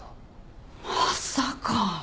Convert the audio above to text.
まさか。